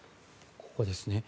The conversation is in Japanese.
ここですね。